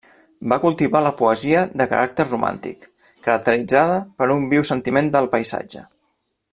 Va cultivar la poesia de caràcter romàntic, caracteritzada per un viu sentiment del paisatge.